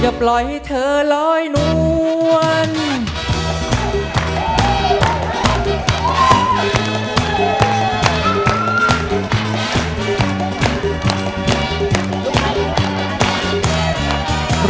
อย่าปล่อยเธอล้อยนวล